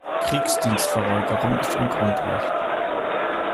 Kriegsdienstverweigerung ist ein Grundrecht.